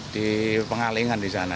di pengalingan disana